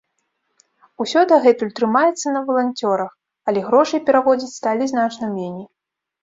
Усё дагэтуль трымаецца на валантэрах, але грошай пераводзіць сталі значна меней.